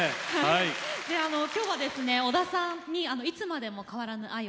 今日はですね織田さんに「いつまでも変わらぬ愛を」